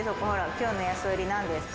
今日の安売りなんですか？